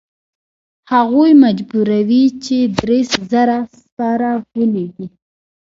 هغوی مجبوروي چې درې زره سپاره ولیږي.